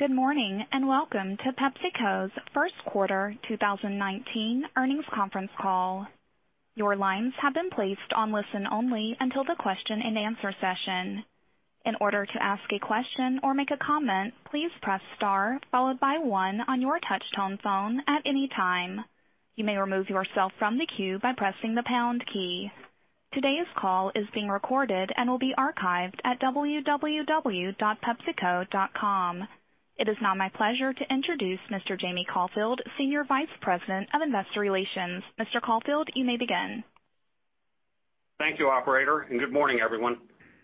Good morning, welcome to PepsiCo's first quarter 2019 earnings conference call. Your lines have been placed on listen-only until the question-and-answer session. In order to ask a question or make a comment, please press star followed by one on your touchtone phone at any time. You may remove yourself from the queue by pressing the pound key. Today's call is being recorded and will be archived at www.pepsico.com. It is now my pleasure to introduce Mr. Jamie Caulfield, Senior Vice President of Investor Relations. Mr. Caulfield, you may begin. Thank you operator, good morning, everyone.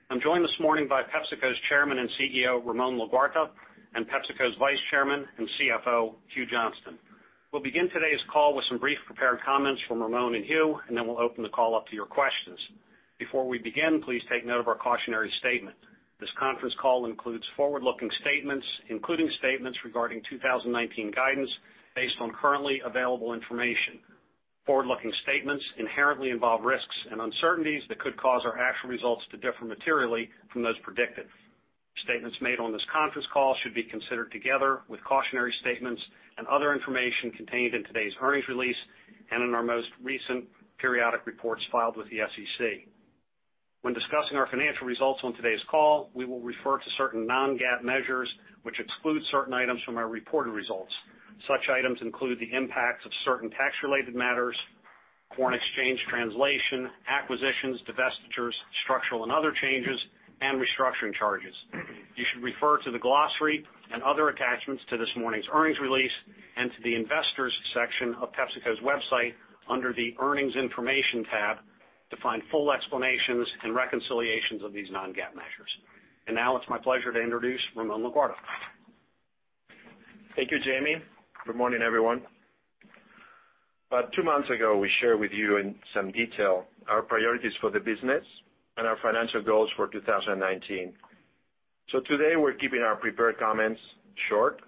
I'm joined this morning by PepsiCo's Chairman and CEO, Ramon Laguarta, and PepsiCo's Vice Chairman and CFO, Hugh Johnston. We'll begin today's call with some brief prepared comments from Ramon and Hugh, then we'll open the call up to your questions. Before we begin, please take note of our cautionary statement. This conference call includes forward-looking statements, including statements regarding 2019 guidance based on currently available information. Forward-looking statements inherently involve risks and uncertainties that could cause our actual results to differ materially from those predicted. Statements made on this conference call should be considered together with cautionary statements and other information contained in today's earnings release, and in our most recent periodic reports filed with the SEC. When discussing our financial results on today's call, we will refer to certain non-GAAP measures, which exclude certain items from our reported results. Such items include the impacts of certain tax-related matters, Foreign Exchange translation, acquisitions, divestitures, structural and other changes, and restructuring charges. You should refer to the glossary and other attachments to this morning's earnings release, and to the investors section of PepsiCo's website under the earnings information tab to find full explanations and reconciliations of these non-GAAP measures. Now it's my pleasure to introduce Ramon Laguarta. Thank you, Jamie. Good morning, everyone. About two months ago, we shared with you in some detail our priorities for the business and our financial goals for 2019. Today, we're keeping our prepared comments short,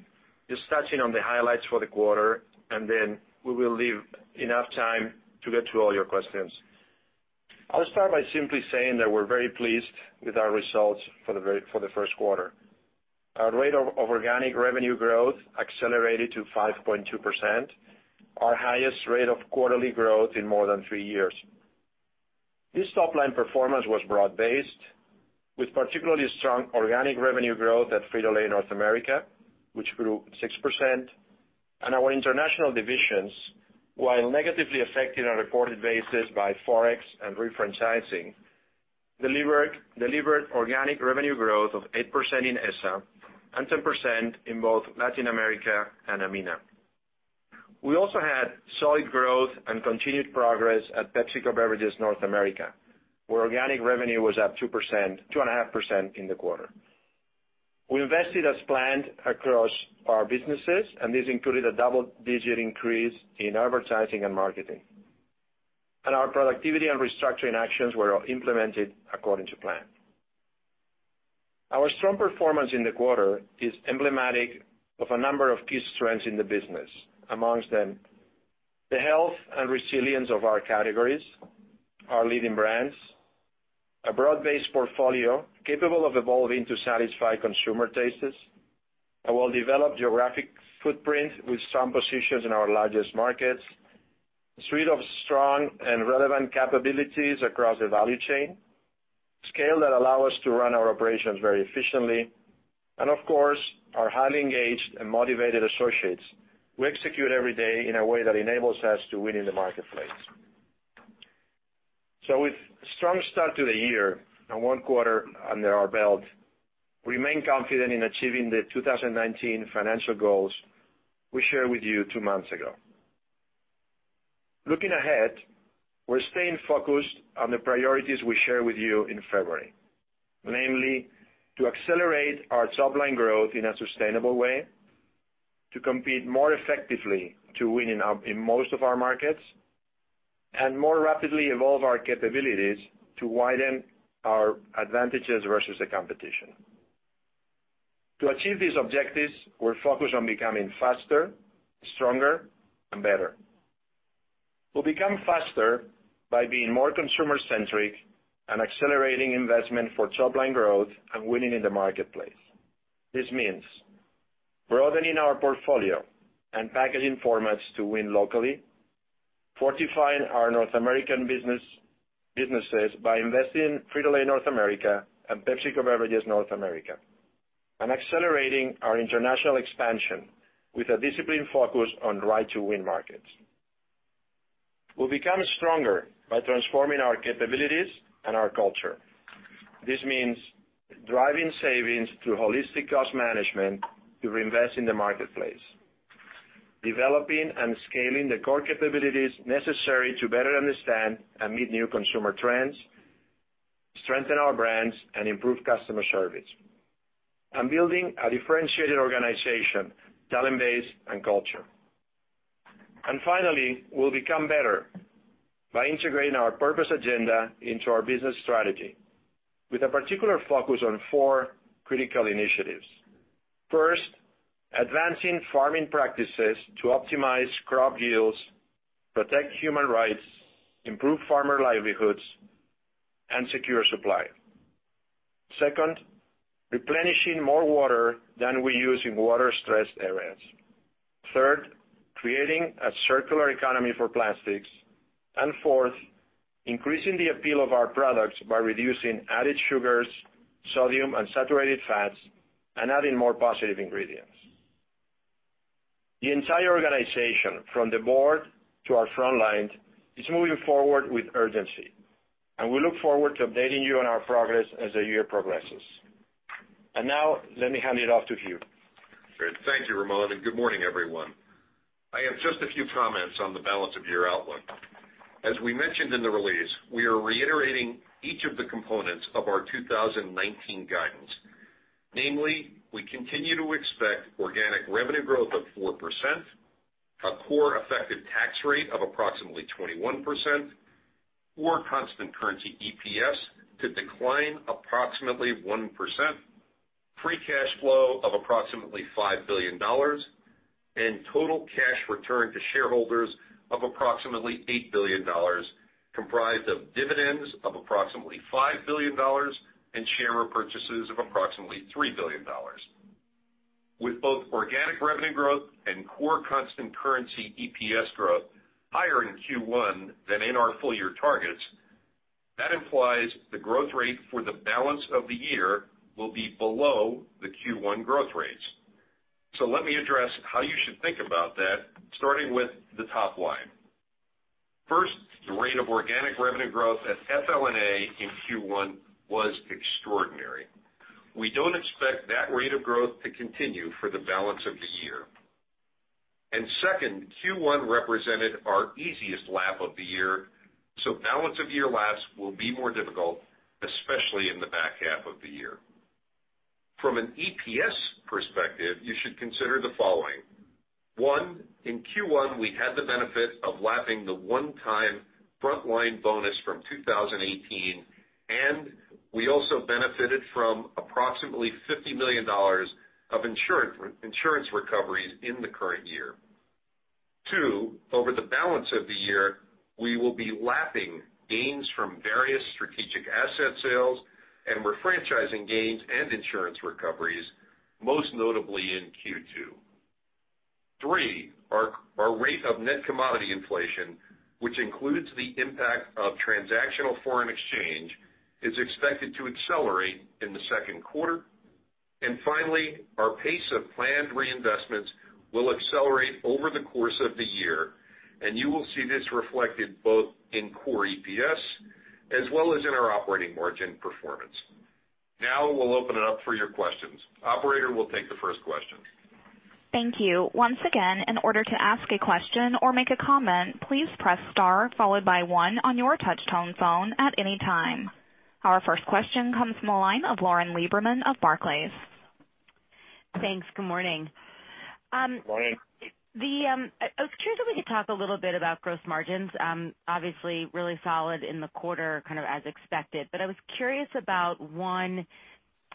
just touching on the highlights for the quarter, then we will leave enough time to get to all your questions. I'll start by simply saying that we're very pleased with our results for the first quarter. Our rate of organic revenue growth accelerated to 5.2%, our highest rate of quarterly growth in more than three years. This top-line performance was broad-based, with particularly strong organic revenue growth at Frito-Lay North America, which grew 6%, and our international divisions, while negatively affected on a reported basis by ForEx and refranchising, delivered organic revenue growth of 8% in ESSA and 10% in both Latin America and AMENA. We also had solid growth and continued progress at PepsiCo Beverages North America, where organic revenue was up 2.5% in the quarter. We invested as planned across our businesses, and this included a double-digit increase in advertising and marketing. Our productivity and restructuring actions were implemented according to plan. Our strong performance in the quarter is emblematic of a number of key strengths in the business. Amongst them, the health and resilience of our categories, our leading brands, a broad-based portfolio capable of evolving to satisfy consumer tastes. A well-developed geographic footprint with strong positions in our largest markets, a suite of strong and relevant capabilities across the value chain, scale that allow us to run our operations very efficiently, and of course, our highly engaged and motivated associates who execute every day in a way that enables us to win in the marketplace. With a strong start to the year and one quarter under our belt, we remain confident in achieving the 2019 financial goals we shared with you two months ago. Looking ahead, we're staying focused on the priorities we shared with you in February. Namely, to accelerate our top line growth in a sustainable way, to compete more effectively to winning in most of our markets, and more rapidly evolve our capabilities to widen our advantages versus the competition. To achieve these objectives, we're focused on becoming faster, stronger, and better. We'll become faster by being more consumer centric and accelerating investment for top line growth and winning in the marketplace. This means broadening our portfolio and packaging formats to win locally, fortifying our North American businesses by investing in Frito-Lay North America and PepsiCo Beverages North America, and accelerating our international expansion with a disciplined focus on Right to Win markets. We'll become stronger by transforming our capabilities and our culture. This means driving savings through holistic cost management to reinvest in the marketplace, developing and scaling the core capabilities necessary to better understand and meet new consumer trends, strengthen our brands, and improve customer service. Building a differentiated organization, talent base, and culture. Finally, we'll become better by integrating our purpose agenda into our business strategy with a particular focus on four critical initiatives. First, advancing farming practices to optimize crop yields, protect human rights, improve farmer livelihoods, and secure supply. Second, replenishing more water than we use in water-stressed areas. Third, creating a circular economy for plastics. Fourth, increasing the appeal of our products by reducing added sugars, sodium, unsaturated fats, and adding more positive ingredients. The entire organization, from the board to our frontlines, is moving forward with urgency, and we look forward to updating you on our progress as the year progresses. Now let me hand it off to Hugh. Great. Thank you, Ramon, and good morning, everyone. I have just a few comments on the balance of year outlook. As we mentioned in the release, we are reiterating each of the components of our 2019 guidance. Namely, we continue to expect organic revenue growth of 4%, a core effective tax rate of approximately 21%, core constant currency EPS to decline approximately 1%, free cash flow of approximately $5 billion, and total cash return to shareholders of approximately $8 billion, comprised of dividends of approximately $5 billion and share repurchases of approximately $3 billion. With both organic revenue growth and core constant currency EPS growth higher in Q1 than in our full-year targets, that implies the growth rate for the balance of the year will be below the Q1 growth rates. Let me address how you should think about that, starting with the top line. First, the rate of organic revenue growth at FLNA in Q1 was extraordinary. We don't expect that rate of growth to continue for the balance of the year. Second, Q1 represented our easiest lap of the year, balance of year laps will be more difficult, especially in the back half of the year. From an EPS perspective, you should consider the following. One, in Q1, we had the benefit of lapping the one-time frontline bonus from 2018, and we also benefited from approximately $50 million of insurance recoveries in the current year. Two, over the balance of the year, we will be lapping gains from various strategic asset sales and refranchising gains and insurance recoveries, most notably in Q2. Three, our rate of net commodity inflation, which includes the impact of transactional foreign exchange, is expected to accelerate in the second quarter. Finally, our pace of planned reinvestments will accelerate over the course of the year, and you will see this reflected both in core EPS as well as in our operating margin performance. Now we'll open it up for your questions. Operator, we'll take the first question. Thank you. Once again, in order to ask a question or make a comment, please press star followed by one on your touch-tone phone at any time. Our first question comes from the line of Lauren Lieberman of Barclays. Thanks. Good morning. Morning. I was curious if we could talk a little bit about gross margins. Obviously, really solid in the quarter, kind of as expected, but I was curious about, one,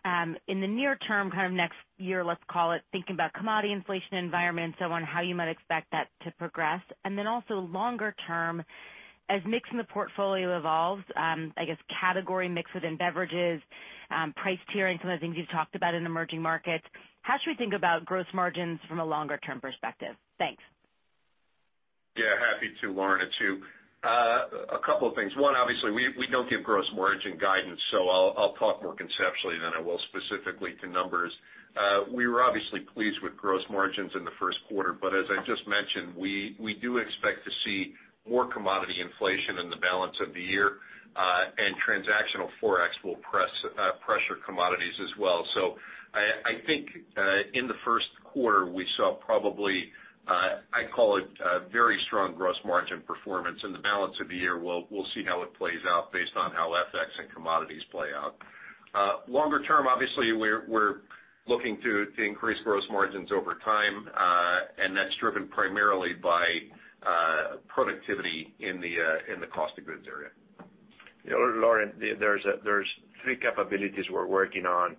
in the near term, kind of next year, let's call it, thinking about commodity inflation environment, so on how you might expect that to progress. Also, longer term, as mix in the portfolio evolves, I guess, category mix within beverages, price tiering, some of the things you've talked about in emerging markets, how should we think about gross margins from a longer-term perspective? Thanks. Happy to, Lauren. A couple of things. One, obviously, we don't give gross margin guidance. I'll talk more conceptually than I will specifically to numbers. We were obviously pleased with gross margins in the first quarter, but as I just mentioned, we do expect to see more commodity inflation in the balance of the year. Transactional ForEx will pressure commodities as well. I think, in the first quarter, we saw probably, I'd call it a very strong gross margin performance. In the balance of the year, we'll see how it plays out based on how FX and commodities play out. Longer term, obviously, we're looking to increase gross margins over time. That's driven primarily by productivity in the cost of goods area. Lauren, there's three capabilities we're working on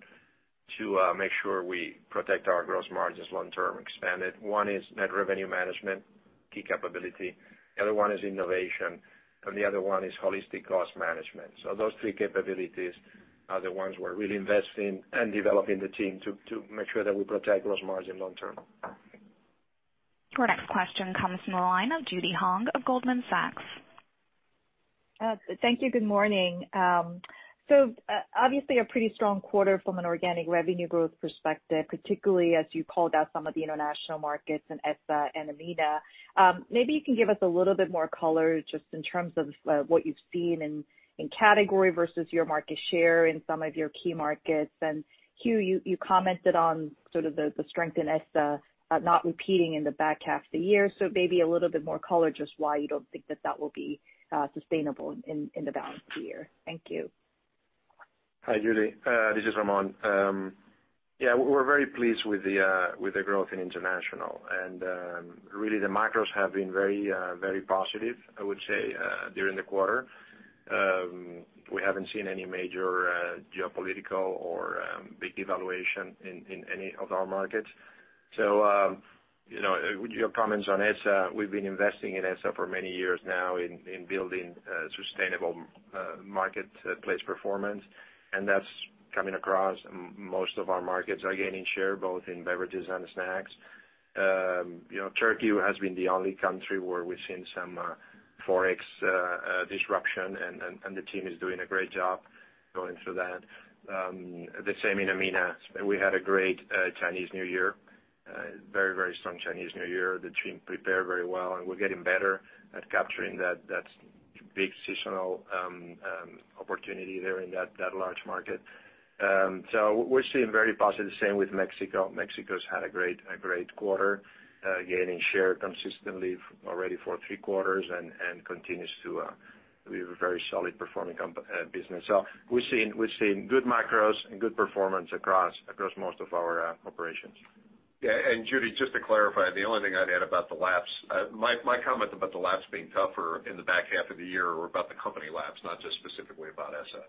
to make sure we protect our gross margins long term. Expand it. One is net revenue management, key capability. The other one is innovation. The other one is holistic cost management. Those three capabilities are the ones we're really investing and developing the team to make sure that we protect gross margin long term. Our next question comes from the line of Judy Hong of Goldman Sachs. Thank you. Good morning. Obviously a pretty strong quarter from an organic revenue growth perspective, particularly as you called out some of the international markets in ESSA and AMENA. Maybe you can give us a little bit more color just in terms of what you've seen in category versus your market share in some of your key markets. Hugh, you commented on sort of the strength in ESSA not repeating in the back half of the year, maybe a little bit more color just why you don't think that that will be sustainable in the balance of the year. Thank you. Hi, Judy. This is Ramon. We're very pleased with the growth in international. Really the macros have been very positive, I would say, during the quarter. We haven't seen any major geopolitical or big devaluation in any of our markets. With your comments on ESSA, we've been investing in ESSA for many years now in building sustainable marketplace performance, and that's coming across. Most of our markets are gaining share, both in beverages and snacks. Turkey has been the only country where we've seen some ForEx disruption. The team is doing a great job going through that. The same in AMENA. We had a great Chinese New Year. Very strong Chinese New Year. The team prepared very well, and we're getting better at capturing that big seasonal opportunity there in that large market. We're seeing very positive. Same with Mexico. Mexico's had a great quarter, gaining share consistently already for three quarters and continues to be a very solid performing business. We're seeing good macros and good performance across most of our operations. Yeah, Judy, just to clarify, the only thing I'd add about the lapse, my comment about the lapse being tougher in the back half of the year were about the company lapse, not just specifically about ESSA.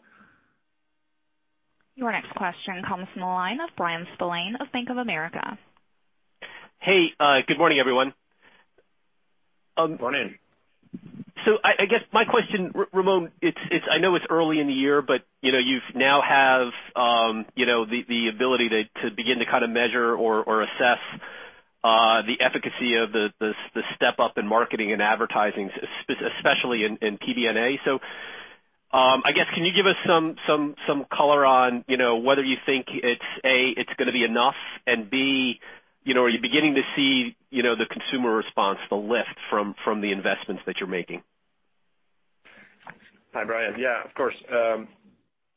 Your next question comes from the line of Bryan Spillane of Bank of America. Hey, good morning, everyone. Morning. I guess my question, Ramon, I know it's early in the year, but you now have the ability to begin to measure or assess the efficacy of the step up in marketing and advertising, especially in PBNA. I guess, can you give us some color on whether you think, A, it's going to be enough, and B, are you beginning to see the consumer response, the lift from the investments that you're making? Hi, Bryan. Of course.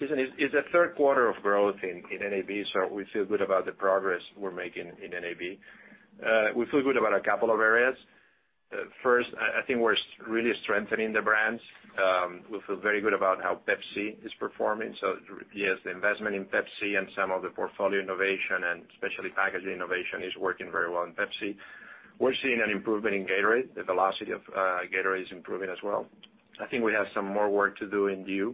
It's the third quarter of growth in NAB. We feel good about the progress we're making in NAB. We feel good about a couple of areas. First, I think we're really strengthening the brands. We feel very good about how Pepsi is performing. Yes, the investment in Pepsi and some of the portfolio innovation, and especially packaging innovation, is working very well in Pepsi. We're seeing an improvement in Gatorade. The velocity of Gatorade is improving as well. I think we have some more work to do in DEW.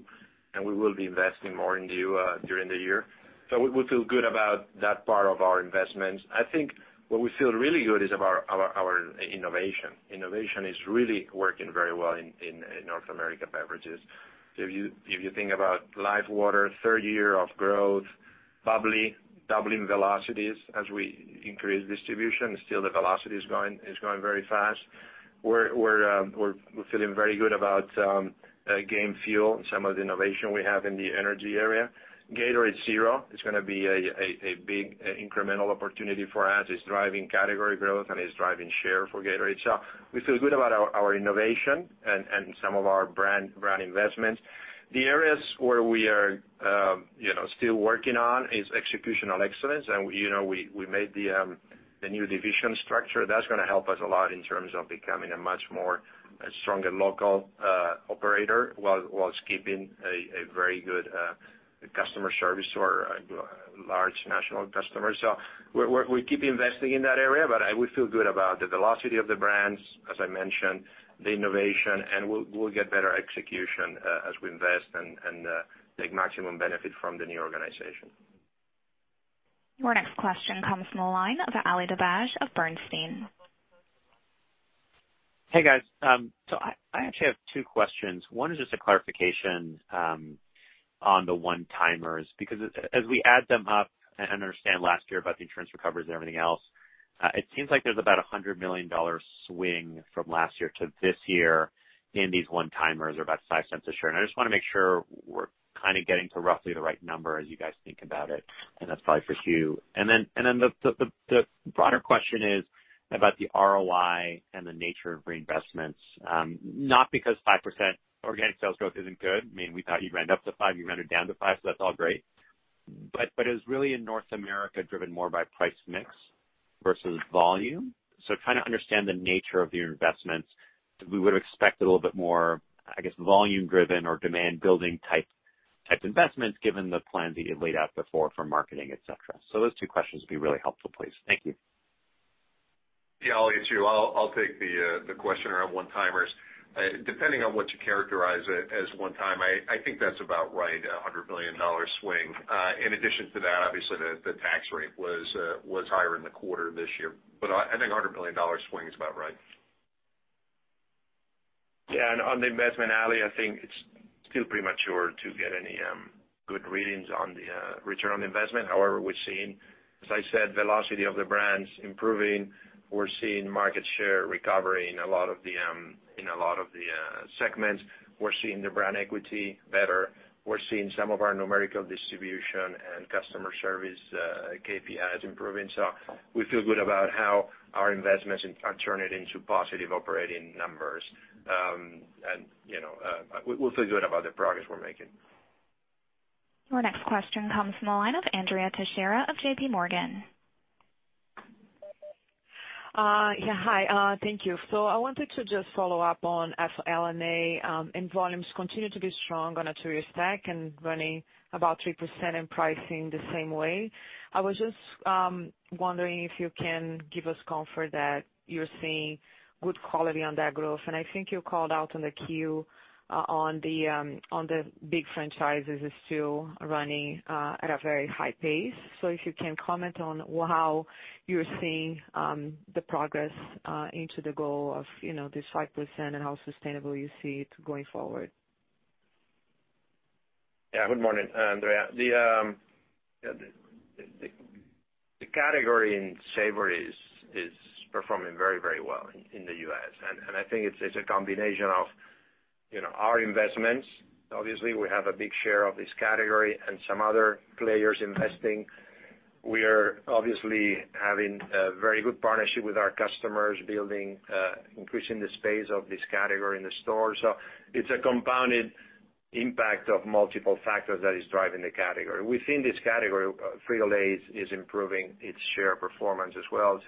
We will be investing more in DEW during the year. We feel good about that part of our investments. I think where we feel really good is about our innovation. Innovation is really working very well in North America beverages. If you think about LIFEWTR, third year of growth, bubly doubling velocities as we increase distribution. Still, the velocity is growing very fast. We're feeling very good about Mtn Dew Game Fuel and some of the innovation we have in the energy area. Gatorade Zero is going to be a big incremental opportunity for us. It's driving category growth. It's driving share for Gatorade. We feel good about our innovation and some of our brand investments. The areas where we are still working on is executional excellence. We made the new division structure. That's going to help us a lot in terms of becoming a much more stronger local operator whilst keeping a very good customer service to our large national customers. We keep investing in that area. We feel good about the velocity of the brands, as I mentioned, the innovation. We'll get better execution as we invest and take maximum benefit from the new organization. Your next question comes from the line of Ali Dibadj of Bernstein. Hey, guys. I actually have two questions. One is just a clarification on the one-timers, because as we add them up, and I understand last year about the insurance recoveries and everything else, it seems like there's about $100 million swing from last year to this year in these one-timers, or about $0.05 a share. I just want to make sure we're getting to roughly the right number as you guys think about it, and that's probably for Hugh. The broader question is about the ROI and the nature of reinvestments. Not because 5% organic sales growth isn't good. We thought you'd round up to five, you rounded down to five, that's all great. Is really in North America driven more by price mix versus volume? Trying to understand the nature of the investments. We would've expected a little bit more, I guess, volume-driven or demand-building type investments given the plans that you laid out before for marketing, et cetera. Those two questions would be really helpful, please. Thank you. Yeah, Ali, it's Hugh. I'll take the question around one-timers. Depending on what you characterize as one-time, I think that's about right, $100 million swing. In addition to that, obviously the tax rate was higher in the quarter this year, I think $100 million swing is about right. Yeah, on the investment, Ali, I think it's still premature to get any good readings on the return on investment. However, we're seeing, as I said, velocity of the brands improving. We're seeing market share recovery in a lot of the segments. We're seeing the brand equity better. We're seeing some of our numerical distribution and customer service KPIs improving. We feel good about how our investments are turning into positive operating numbers. We feel good about the progress we're making. Your next question comes from the line of Andrea Teixeira of JPMorgan. Yeah, hi. Thank you. I wanted to just follow up on FLNA, volumes continue to be strong on a two-year stack and running about 3% in pricing the same way. I was just wondering if you can give us comfort that you're seeing good quality on that growth. I think you called out on the 10-Q on the big franchises are still running at a very high pace. If you can comment on how you're seeing the progress into the goal of this 5% and how sustainable you see it going forward. Yeah. Good morning, Andrea. The category in savory is performing very well in the U.S., I think it's a combination of our investments. Obviously, we have a big share of this category and some other players investing. We are obviously having a very good partnership with our customers, increasing the space of this category in the store. It's a compounded impact of multiple factors that is driving the category. Within this category, Frito-Lay is improving its share performance as well.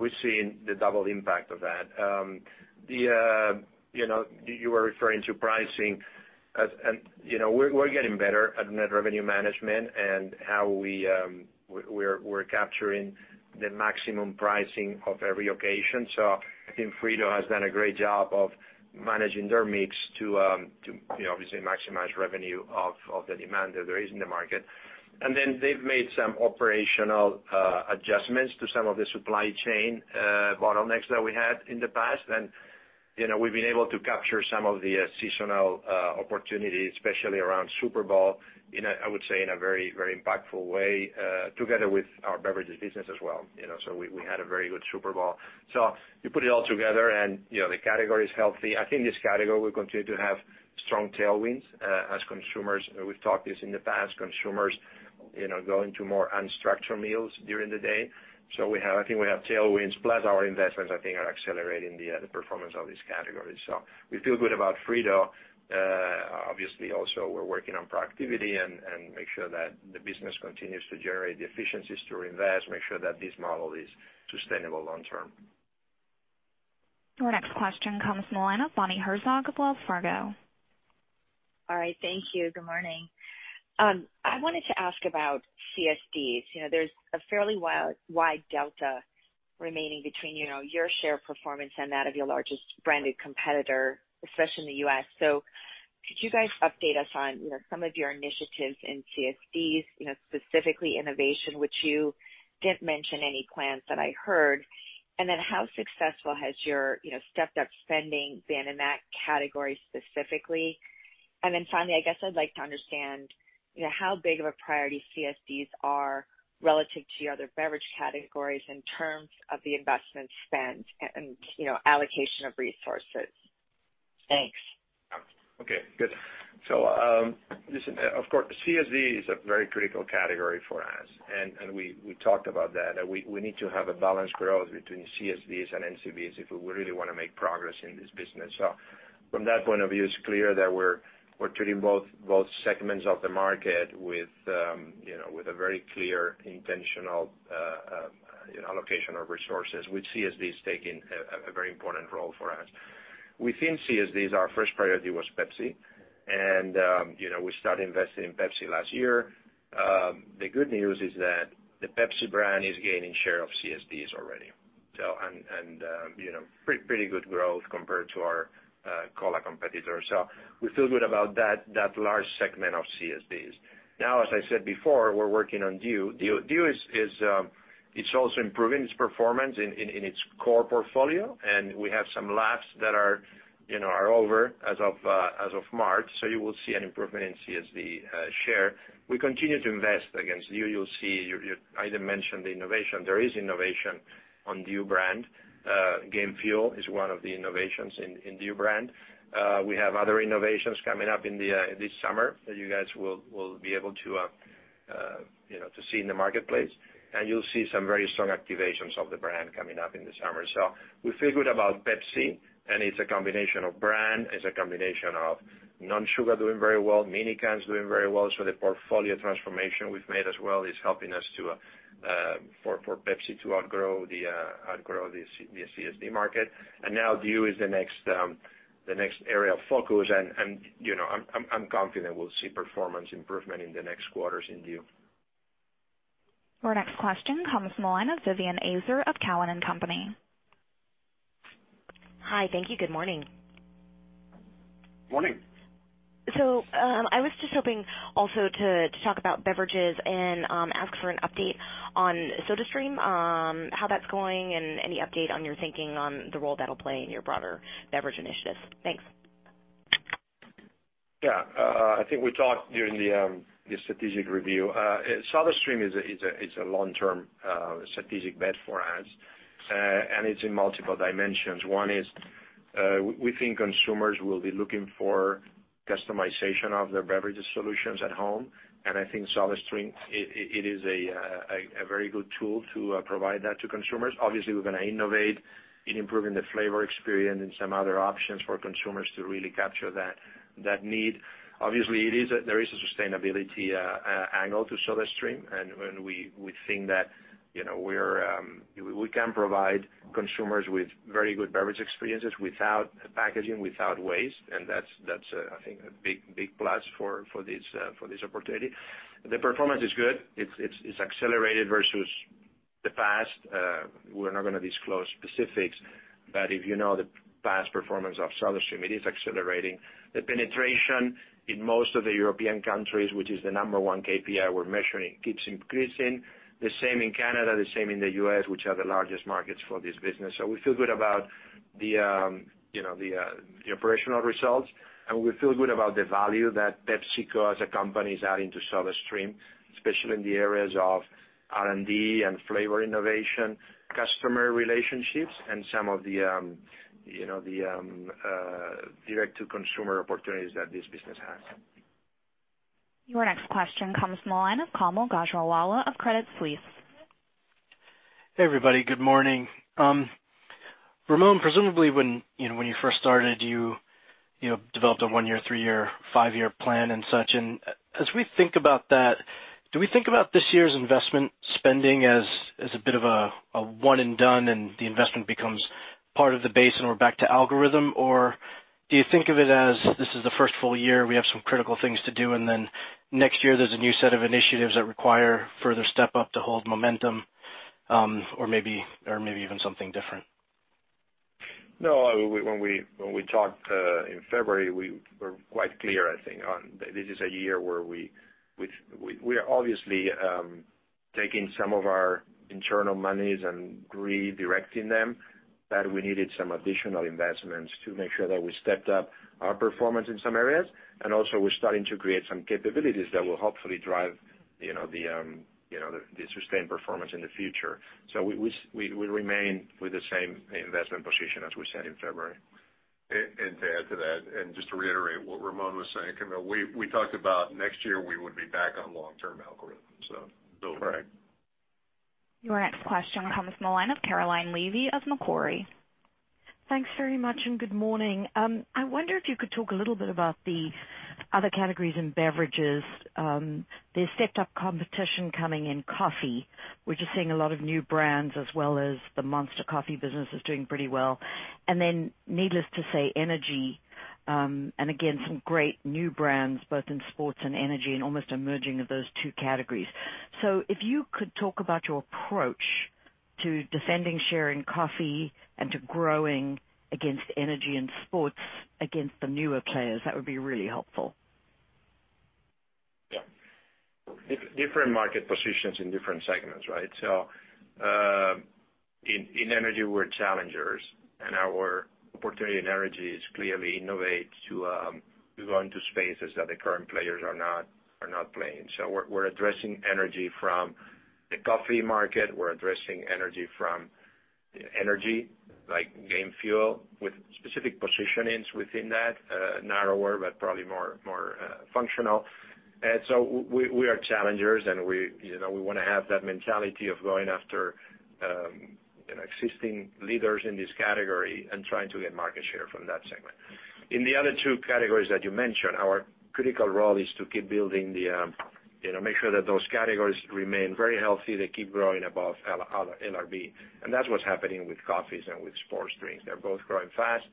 We're seeing the double impact of that. You were referring to pricing, we're getting better at net revenue management and how we're capturing the maximum pricing of every occasion. I think Frito has done a great job of managing their mix to obviously maximize revenue of the demand that there is in the market. They've made some operational adjustments to some of the supply chain bottlenecks that we had in the past. We've been able to capture some of the seasonal opportunities, especially around Super Bowl, I would say in a very impactful way, together with our beverages business as well. We had a very good Super Bowl. You put it all together, the category is healthy. I think this category will continue to have strong tailwinds, as consumers, we've talked this in the past, consumers go into more unstructured meals during the day. I think we have tailwinds plus our investments, I think are accelerating the performance of this category. We feel good about Frito. Obviously, also, we're working on productivity and make sure that the business continues to generate the efficiencies to reinvest, make sure that this model is sustainable long-term. Our next question comes from the line of Bonnie Herzog of Wells Fargo. All right, thank you. Good morning. I wanted to ask about CSDs. There's a fairly wide delta remaining between your share performance and that of your largest branded competitor, especially in the U.S. Could you guys update us on some of your initiatives in CSDs, specifically innovation, which you didn't mention any plans that I heard? How successful has your stepped-up spending been in that category specifically? Finally, I guess I'd like to understand how big of a priority CSDs are relative to your other beverage categories in terms of the investment spend and allocation of resources. Thanks. Okay, good. Listen, of course, CSD is a very critical category for us, and we talked about that. We need to have a balanced growth between CSDs and NCBs if we really want to make progress in this business. From that point of view, it's clear that we're treating both segments of the market with a very clear, intentional allocation of resources, with CSDs taking a very important role for us. Within CSDs, our first priority was Pepsi, and we started investing in Pepsi last year. The good news is that the Pepsi brand is gaining share of CSDs already. Pretty good growth compared to our cola competitor. We feel good about that large segment of CSDs. Now, as I said before, we're working on DEW. DEW is also improving its performance in its core portfolio, and we have some laps that are over as of March, you will see an improvement in CSD share. We continue to invest against DEW. [Either] mentioned the innovation. There is innovation on DEW brand. Game Fuel is one of the innovations in DEW brand. We have other innovations coming up in this summer that you guys will be able to see in the marketplace. You'll see some very strong activations of the brand coming up in the summer. We feel good about Pepsi, and it's a combination of brand, it's a combination of non-sugar doing very well, mini cans doing very well. The portfolio transformation we've made as well is helping us for Pepsi to outgrow the CSD market. now DEW is the next area of focus, and I'm confident we'll see performance improvement in the next quarters in DEW. Our next question comes from the line of Vivien Azer of Cowen and Company. Hi, thank you. Good morning. Morning. I was just hoping also to talk about beverages and ask for an update on SodaStream, how that's going, and any update on your thinking on the role that'll play in your broader beverage initiatives. Thanks. Yeah. I think we talked during the strategic review. SodaStream is a long-term strategic bet for us, and it's in multiple dimensions. One is, we think consumers will be looking for customization of their beverages solutions at home, and I think SodaStream, it is a very good tool to provide that to consumers. Obviously, we're going to innovate in improving the flavor experience and some other options for consumers to really capture that need. Obviously, there is a sustainability angle to SodaStream, and we think that we can provide consumers with very good beverage experiences without packaging, without waste, and that's, I think, a big plus for this opportunity. The performance is good. It's accelerated versus the past. We're not going to disclose specifics. That if you know the past performance of SodaStream, it is accelerating. The penetration in most of the European countries, which is the number 1 KPI we're measuring, keeps increasing. The same in Canada, the same in the U.S., which are the largest markets for this business. We feel good about the operational results, and we feel good about the value that PepsiCo as a company is adding to SodaStream, especially in the areas of R&D and flavor innovation, customer relationships, and some of the direct-to-consumer opportunities that this business has. Your next question comes from the line of Kaumil Gajrawala of Credit Suisse. Hey, everybody. Good morning. Ramon, presumably when you first started, you developed a one-year, three-year, five-year plan and such. As we think about that, do we think about this year's investment spending as a bit of a one and done and the investment becomes part of the base and we're back to algorithm? Do you think of it as this is the first full year, we have some critical things to do, and then next year there's a new set of initiatives that require further step up to hold momentum, or maybe even something different? No. When we talked in February, we were quite clear, I think, on this is a year where we are obviously taking some of our internal monies and redirecting them, that we needed some additional investments to make sure that we stepped up our performance in some areas. Also we're starting to create some capabilities that will hopefully drive the sustained performance in the future. We remain with the same investment position as we said in February. To add to that and just to reiterate what Ramon was saying, Kaumil, we talked about next year we would be back on long-term algorithm. Bill. Correct. Your next question comes from the line of Caroline Levy of Macquarie. Thanks very much and good morning. I wonder if you could talk a little bit about the other categories in beverages. There's stepped up competition coming in coffee. We're just seeing a lot of new brands, as well as the Monster coffee business is doing pretty well. Then needless to say, energy, and again, some great new brands both in sports and energy and almost a merging of those two categories. If you could talk about your approach to defending share in coffee and to growing against energy and sports against the newer players, that would be really helpful. Yeah. Different market positions in different segments, right? In energy we're challengers and our opportunity in energy is clearly innovate to go into spaces that the current players are not playing. We're addressing energy from the coffee market. We're addressing energy from energy like Mtn Dew Game Fuel with specific positionings within that, narrower but probably more functional. We are challengers and we want to have that mentality of going after existing leaders in this category and trying to get market share from that segment. In the other two categories that you mentioned, our critical role is to make sure that those categories remain very healthy, they keep growing above LRB. That's what's happening with coffees and with sports drinks. They're both growing fast.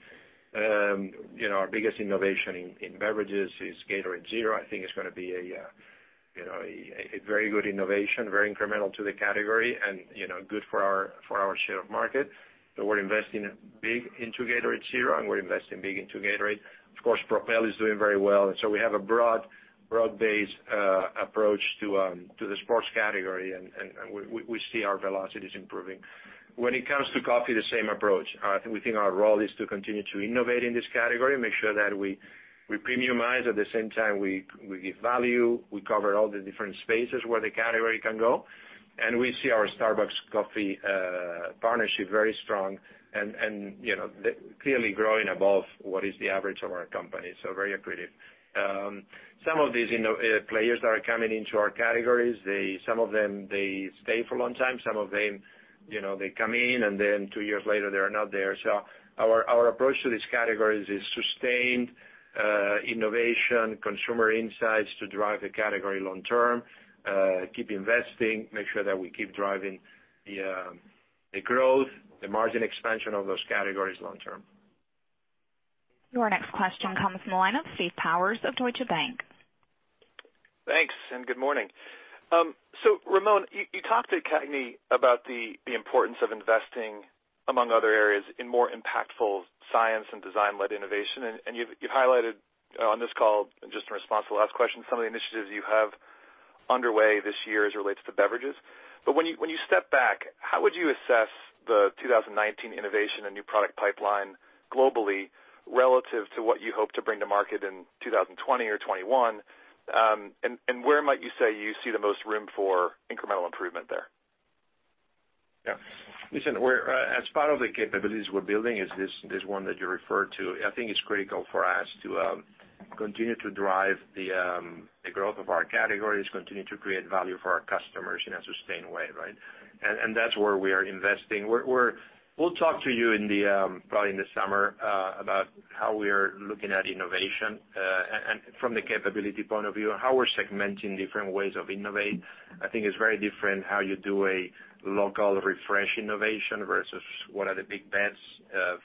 Our biggest innovation in beverages is Gatorade Zero. I think it's going to be a very good innovation, very incremental to the category and good for our share of market. We're investing big into Gatorade Zero and we're investing big into Gatorade. Of course, Propel is doing very well. We have a broad-based approach to the sports category and we see our velocities improving. When it comes to coffee, the same approach. We think our role is to continue to innovate in this category, make sure that we premiumize. At the same time, we give value. We cover all the different spaces where the category can go. We see our Starbucks Coffee partnership very strong and clearly growing above what is the average of our company. Very accretive. Some of these players that are coming into our categories, some of them, they stay for a long time. Some of them, they come in and then two years later they are not there. Our approach to these categories is sustained innovation, consumer insights to drive the category long term, keep investing, make sure that we keep driving the growth, the margin expansion of those categories long term. Your next question comes from the line of Steve Powers of Deutsche Bank. Thanks and good morning. Ramon, you talked at CAGNY about the importance of investing among other areas in more impactful science and design-led innovation. You've highlighted on this call, and just in response to the last question, some of the initiatives you have underway this year as it relates to beverages. When you step back, how would you assess the 2019 innovation and new product pipeline globally relative to what you hope to bring to market in 2020 or 2021? Where might you say you see the most room for incremental improvement there? Listen, as part of the capabilities we're building is this one that you referred to. I think it's critical for us to continue to drive the growth of our categories, continue to create value for our customers in a sustained way, right? That's where we are investing. We'll talk to you probably in the summer about how we are looking at innovation from the capability point of view and how we're segmenting different ways of innovate. I think it's very different how you do a local refresh innovation versus what are the big bets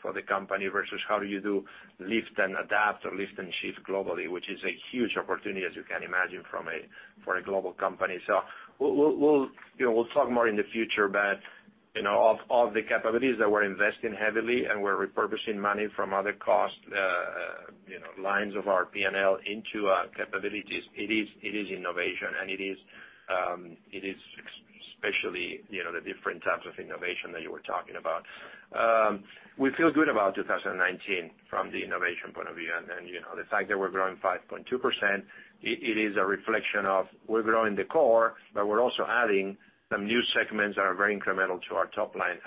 for the company versus how do you do lift and adapt or lift and shift globally, which is a huge opportunity, as you can imagine, for a global company. We'll talk more in the future. Of all the capabilities that we're investing heavily and we're repurposing money from other cost lines of our P&L into our capabilities, it is innovation and it is especially the different types of innovation that you were talking about. We feel good about 2019 from the innovation point of view, and the fact that we're growing 5.2%, it is a reflection of we're growing the core, but we're also adding some new segments that are very incremental to our top line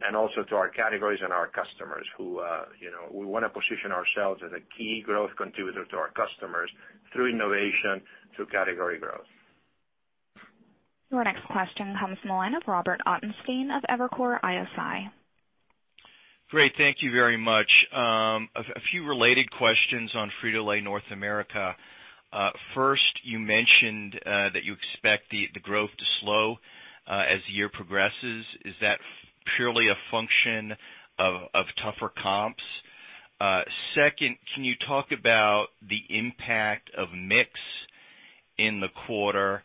and also to our categories and our customers who we want to position ourselves as a key growth contributor to our customers through innovation, through category growth. Your next question comes from the line of Robert Ottenstein of Evercore ISI. Great. Thank you very much. A few related questions on Frito-Lay North America. First, you mentioned that you expect the growth to slow as the year progresses. Is that purely a function of tougher comps? Second, can you talk about the impact of mix in the quarter,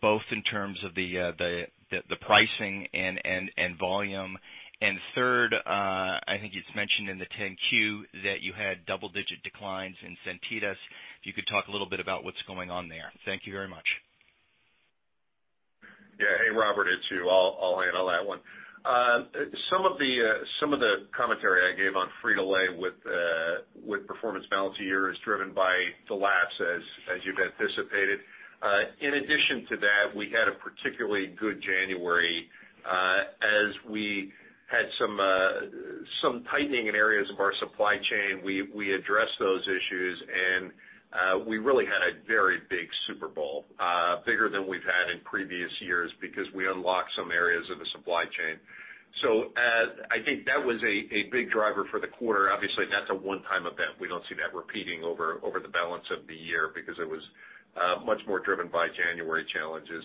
both in terms of the pricing and volume? Third, I think it's mentioned in the 10-Q that you had double-digit declines in Santitas. If you could talk a little bit about what's going on there. Thank you very much. Yeah. Hey, Robert, it's Hugh. I'll handle that one. Some of the commentary I gave on Frito-Lay with performance balance year is driven by the lapse as you've anticipated. In addition to that, we had a particularly good January. As we had some tightening in areas of our supply chain, we addressed those issues, and we really had a very big Super Bowl, bigger than we've had in previous years because we unlocked some areas of the supply chain. I think that was a big driver for the quarter. Obviously, that's a one-time event. We don't see that repeating over the balance of the year because it was much more driven by January challenges.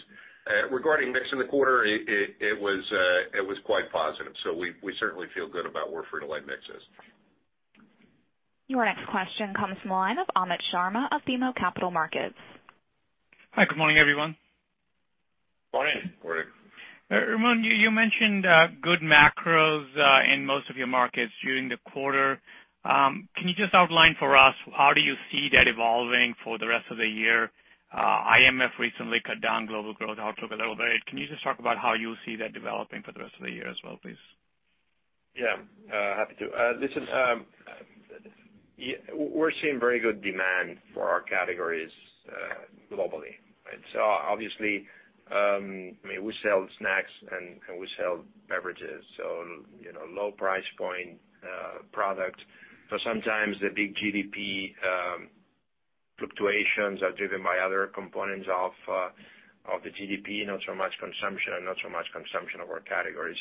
Regarding mix in the quarter, it was quite positive. We certainly feel good about where Frito-Lay mix is. Your next question comes from the line of Amit Sharma of BMO Capital Markets. Hi, good morning, everyone. Morning. Morning. Ramon, you mentioned good macros in most of your markets during the quarter. Can you just outline for us how do you see that evolving for the rest of the year? IMF recently cut down global growth outlook a little bit. Can you just talk about how you see that developing for the rest of the year as well, please? Yeah. Happy to. Listen, we're seeing very good demand for our categories globally. Obviously, we sell snacks and we sell beverages, low price point product. Sometimes the big GDP fluctuations are driven by other components of the GDP, not so much consumption and not so much consumption of our category.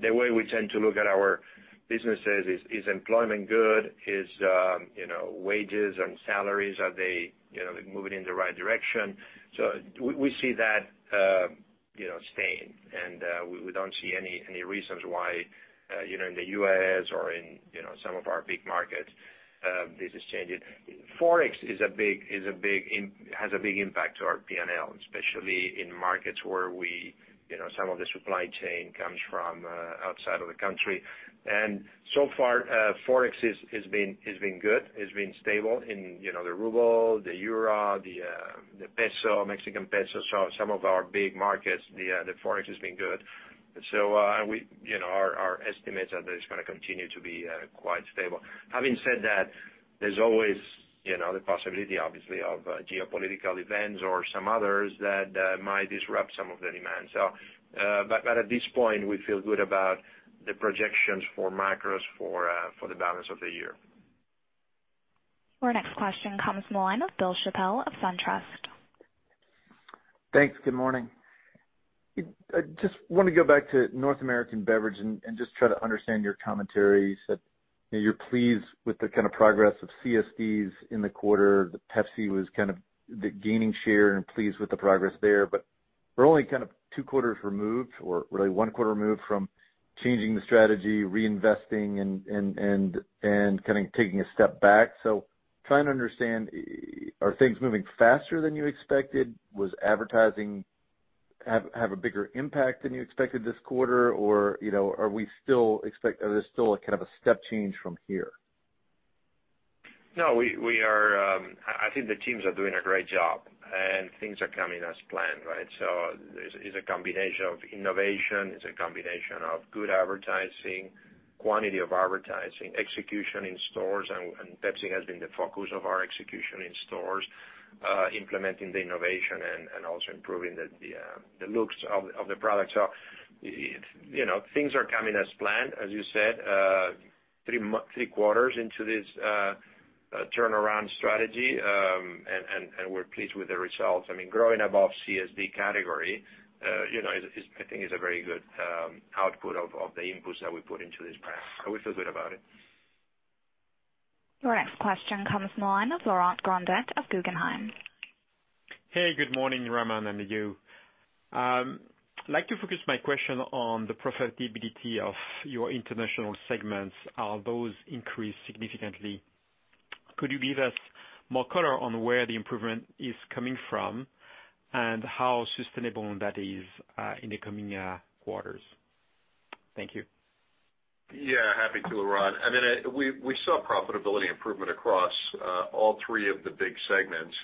The way we tend to look at our businesses is employment good? Is wages and salaries, are they moving in the right direction? We see that staying, and we don't see any reasons why in the U.S. or in some of our big markets, this is changing. Forex has a big impact to our P&L, especially in markets where some of the supply chain comes from outside of the country. So far, Forex has been good, has been stable in the ruble, the euro, the peso, Mexican peso. Some of our big markets, the Forex has been good. Our estimates are that it's going to continue to be quite stable. Having said that, there's always the possibility, obviously, of geopolitical events or some others that might disrupt some of the demand. At this point, we feel good about the projections for macros for the balance of the year. Your next question comes from the line of Bill Chappell of SunTrust. Thanks. Good morning. I just want to go back to North American beverage and just try to understand your commentary. You said you're pleased with the kind of progress of CSDs in the quarter. The Pepsi was kind of gaining share and pleased with the progress there. We're only two quarters removed, or really one quarter removed from changing the strategy, reinvesting and kind of taking a step back. Trying to understand, are things moving faster than you expected? Was advertising have a bigger impact than you expected this quarter? Or is there still a kind of a step change from here? No, I think the teams are doing a great job and things are coming as planned, right? It's a combination of innovation, it's a combination of good advertising, quantity of advertising, execution in stores, and Pepsi has been the focus of our execution in stores, implementing the innovation and also improving the looks of the product. Things are coming as planned, as you said, three quarters into this turnaround strategy, and we're pleased with the results. Growing above CSD category, I think is a very good output of the inputs that we put into this plan. We feel good about it. Your next question comes from the line of Laurent Grandet of Guggenheim. Hey, good morning, Ramon and Hugh. I'd like to focus my question on the profitability of your international segments. Are those increased significantly? Could you give us more color on where the improvement is coming from, and how sustainable that is in the coming quarters? Thank you. Yeah, happy to, Laurent. We saw profitability improvement across all three of the big segments.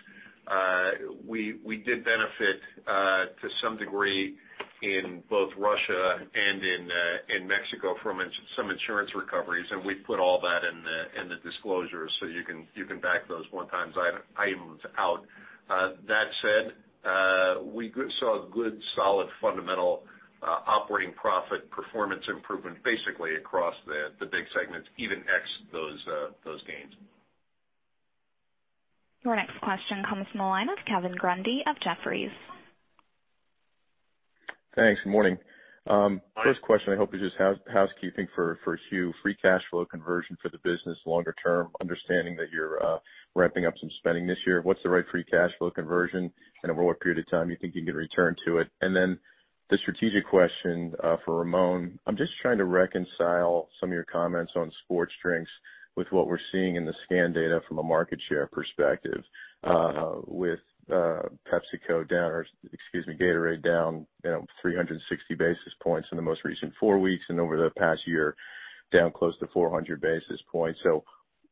We did benefit to some degree in both Russia and in Mexico from some insurance recoveries, and we put all that in the disclosures so you can back those one-time items out. That said, we saw good solid fundamental operating profit performance improvement basically across the big segments, even ex those gains. Your next question comes from the line of Kevin Grundy of Jefferies. Thanks, good morning. Hi. First question I hope is just housekeeping for Hugh. Free cash flow conversion for the business longer term, understanding that you're ramping up some spending this year, what's the right free cash flow conversion, and over what period of time you think you can return to it? Then the strategic question for Ramon. I'm just trying to reconcile some of your comments on sports drinks with what we're seeing in the scan data from a market share perspective. With PepsiCo down, or excuse me, Gatorade down 360 basis points in the most recent four weeks, and over the past year down close to 400 basis points.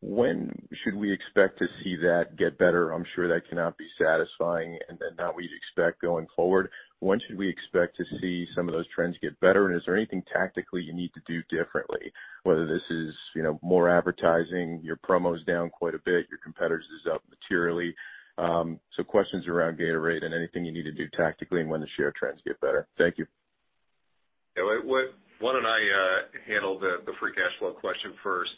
When should we expect to see that get better? I'm sure that cannot be satisfying and not what you'd expect going forward. When should we expect to see some of those trends get better, and is there anything tactically you need to do differently, whether this is more advertising, your promos down quite a bit, your competitor's is up materially. Questions around Gatorade and anything you need to do tactically and when the share trends get better. Thank you. Why don't I handle the free cash flow question first.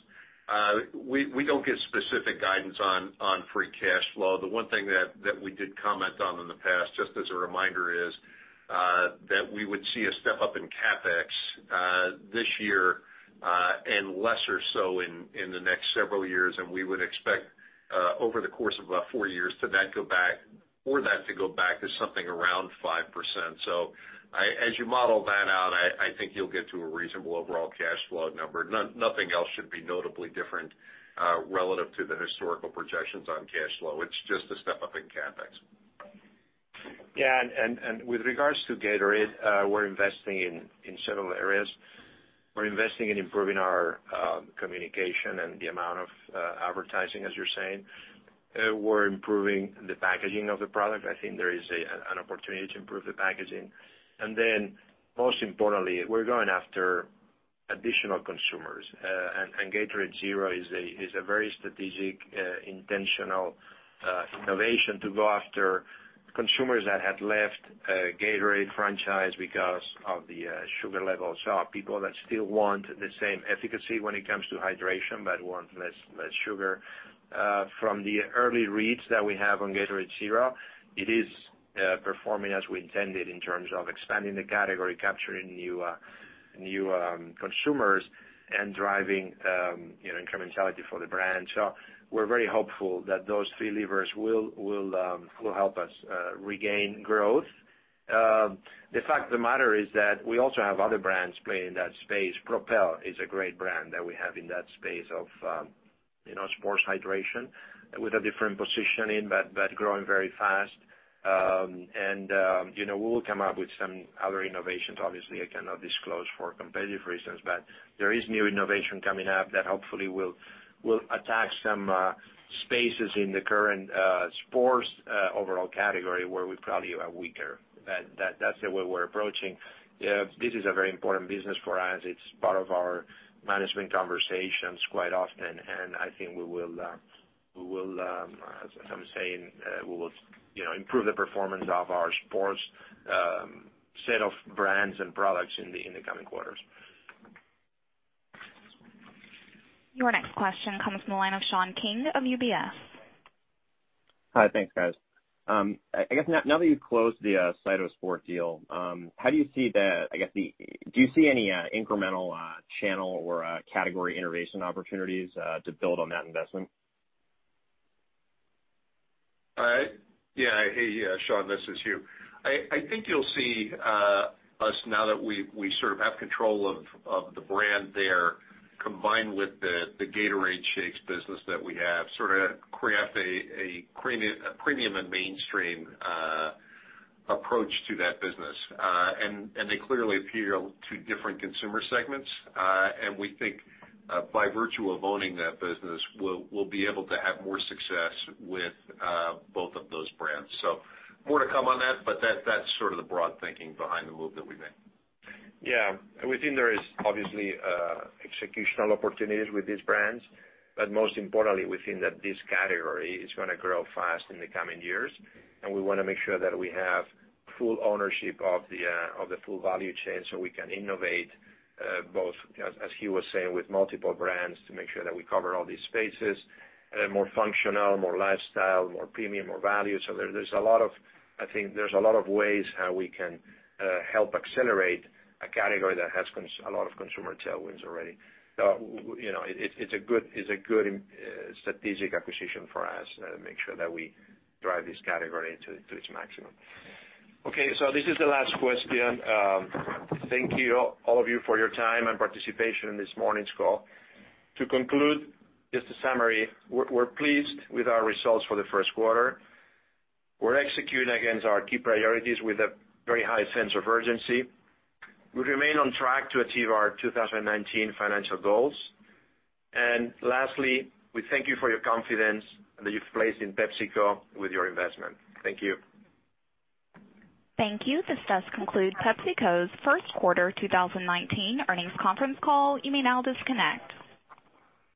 We don't give specific guidance on free cash flow. The one thing that we did comment on in the past, just as a reminder is, that we would see a step up in CapEx this year, and lesser so in the next several years. We would expect over the course of about four years for that to go back to something around 5%. As you model that out, I think you'll get to a reasonable overall cash flow number. Nothing else should be notably different, relative to the historical projections on cash flow. It's just a step up in CapEx. With regards to Gatorade, we're investing in several areas. We're investing in improving our communication and the amount of advertising, as you're saying. We're improving the packaging of the product. I think there is an opportunity to improve the packaging. Then most importantly, we're going after additional consumers. Gatorade Zero is a very strategic, intentional innovation to go after consumers that had left Gatorade franchise because of the sugar levels. People that still want the same efficacy when it comes to hydration but want less sugar. From the early reads that we have on Gatorade Zero, it is performing as we intended in terms of expanding the category, capturing new consumers, and driving incrementality for the brand. We're very hopeful that those three levers will help us regain growth. The fact of the matter is that we also have other brands playing in that space. Propel is a great brand that we have in that space of sports hydration with a different positioning, but growing very fast. We will come up with some other innovations. Obviously, I cannot disclose for competitive reasons, but there is new innovation coming up that hopefully will attach some spaces in the current sports overall category where we probably are weaker. That's the way we're approaching. This is a very important business for us. It's part of our management conversations quite often, and I think we will, as I'm saying, we will improve the performance of our sports set of brands and products in the coming quarters. Your next question comes from the line of Sean King of UBS. Hi, thanks, guys. I guess now that you've closed the CytoSport deal, do you see any incremental channel or category innovation opportunities to build on that investment? Yeah. Hey, Sean, this is Hugh. I think you'll see us now that we sort of have control of the brand there, combined with the Gatorade Shakes business that we have, sort of craft a premium and mainstream approach to that business. They clearly appeal to different consumer segments. We think by virtue of owning that business, we'll be able to have more success with both of those brands. More to come on that, but that's sort of the broad thinking behind the move that we made. Yeah. We think there is obviously executional opportunities with these brands, most importantly, we think that this category is going to grow fast in the coming years, and we want to make sure that we have full ownership of the full value chain we can innovate both, as Hugh was saying, with multiple brands to make sure that we cover all these spaces, more functional, more lifestyle, more premium, more value. I think there's a lot of ways how we can help accelerate a category that has a lot of consumer tailwinds already. It's a good strategic acquisition for us to make sure that we drive this category to its maximum. Okay, this is the last question. Thank you all of you for your time and participation in this morning's call. To conclude, just a summary. We're pleased with our results for the first quarter. We're executing against our key priorities with a very high sense of urgency. We remain on track to achieve our 2019 financial goals. Lastly, we thank you for your confidence that you've placed in PepsiCo with your investment. Thank you. Thank you. This does conclude PepsiCo's first quarter 2019 earnings conference call. You may now disconnect.